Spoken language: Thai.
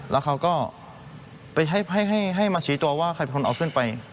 แล้วเขาก็ไปให้มาชี้ตัวว่าใครเป็นคนเอาขึ้นไป